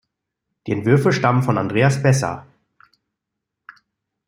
Die Entwürfe stammen von Andrea Spezza.